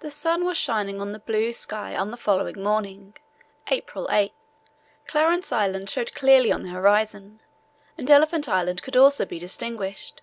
The sun was shining in the blue sky on the following morning (April 8). Clarence Island showed clearly on the horizon, and Elephant Island could also be distinguished.